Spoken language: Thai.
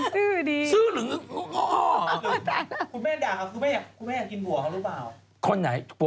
ใช่คุณแม่ด่าคุณแม่ขินบัวเหรอเปล่า